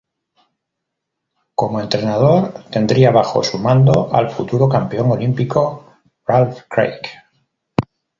Como entrenador tendría bajo su mando al futuro campeón olímpico Ralph Craig.